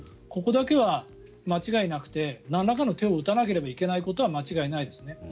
ここだけは間違いなくてなんらかの手を打たなければいけないのは間違いないですね。